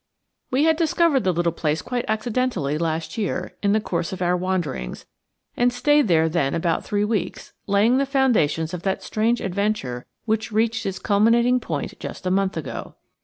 We had discovered the little place quite accidentally last year, in the course of our wanderings, and stayed there then about three weeks, laying the foundations of that strange adventure which reached its culminating point just a month ago.